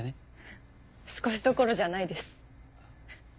少しどころじゃないです。